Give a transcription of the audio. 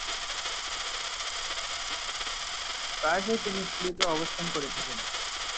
প্রায়শঃই তিনি স্লিপে অবস্থান করে থাকেন।